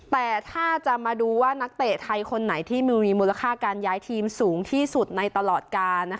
แต่ถ้าจะมาดูว่านักเตะไทยคนไหนที่มีมูลค่าการย้ายทีมสูงที่สุดในตลอดการ